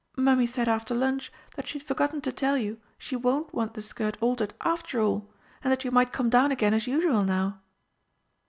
Mummy said after lunch that she'd forgotten to tell you she won't want the skirt altered after all, and that you might come down again as usual now."